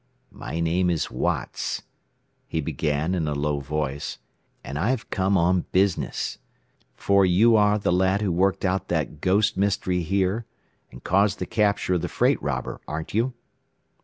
"My name is Watts," he began, in a low voice, "and I've come on business. For you are the lad who worked out that 'ghost' mystery here, and caused the capture of the freight robber, aren't you?"